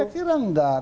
saya kira enggak